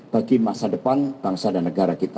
bagi masa depan bangsa dan negara kita